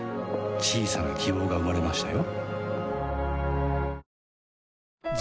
小さな希望が生まれましたよ